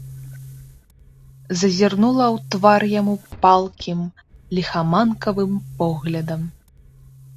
Зазірнула ў твар яму палкім, ліхаманкавым поглядам.